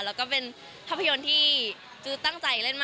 แล้วก็เป็นภาพยนตร์ที่จูตั้งใจเล่นมาก